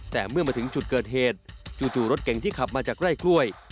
แต่เมื่อมาถึงจุดเกิดเหตุจู่รถเก่งที่ขับมาจากไร่กล้วย